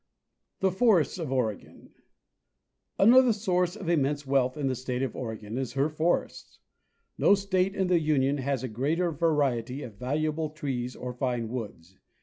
The Forests of Oregon. Another source of immense wealth in the state of Oregon is her forests. No state in the Union has a greater variety of valuable trees or fine woods.